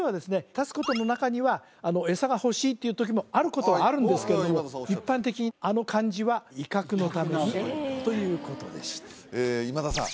立つことの中には餌が欲しいっていう時もあることはあるんですけれども一般的にあの感じは威嚇のためにということでした今田さん